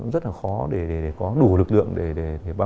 rất là khó để có đủ lực lượng để truy tìm đối tượng này